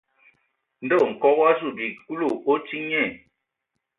Ndɔ Nkɔg o azu bi Kulu, o tii nye.